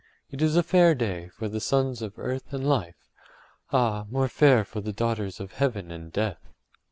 It is a fair day for the sons of earth and life—ah, more fair for the daughters of heaven and death!